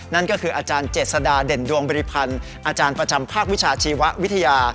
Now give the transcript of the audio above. นั่นก็คืออาจารย์เจษฎาเด่นดวงบริพันธ์อาจารย์ประจำภาควิชาชีววิทยา